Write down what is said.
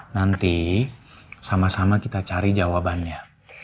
nanti sama sama kita cari jawabannya